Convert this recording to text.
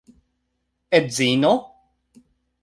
Edzino?